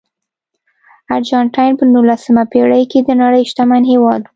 ارجنټاین په نولسمه پېړۍ کې د نړۍ شتمن هېواد و.